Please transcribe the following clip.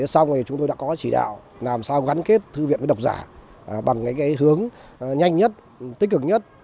sau này chúng tôi đã có chỉ đạo làm sao gắn kết thư viện với đọc giả bằng những hướng nhanh nhất tích cực nhất